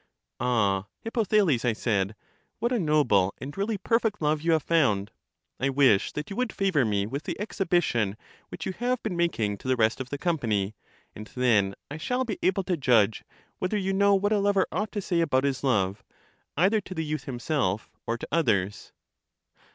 Ah, Hippothales, I said; what a noble and really perfect love you have found! I wish that you would favor me with the exhibition which you have been making to the rest of the company, and then I shall be able to judge whether you know what a lover ought to say about his love, either to the youth himself, or to others.